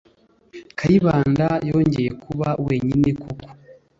Kayibanda yongeye kuba wenyine koko.